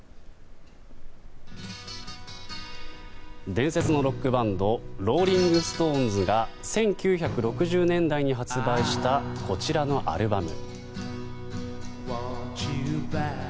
伝説のロックバンドローリング・ストーンズが１９６０年代に発売したこちらのアルバム。